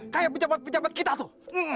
kayak pejabat pejabat kita tuh